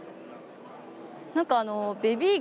何かあの。